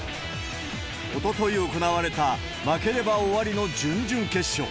おととい行われた、負ければ終わりの準々決勝。